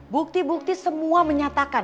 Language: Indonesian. bukti bukti semua menyatakan